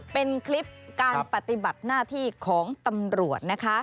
เป็นคลิปการปฏิบัติหน้าที่ของตำรวจนะคะ